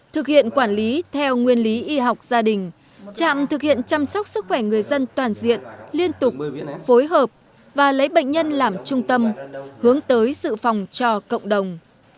thực hiện quản lý theo nguyên lý y học gia đình trạm thực hiện chăm sóc sức khỏe người dân toàn diện liên tục phối hợp và lấy bệnh nhân làm trung tâm hướng tới sự phòng cho cộng đồng